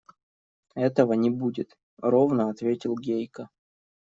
– Этого не будет, – ровно ответил Гейка.